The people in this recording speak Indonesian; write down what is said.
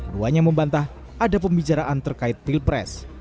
duanya membantah ada pembicaraan terkait pilpres